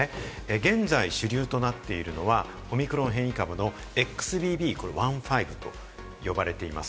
現在主流となっているのは、オミクロン変異株のＸＢＢ．１．５と呼ばれています。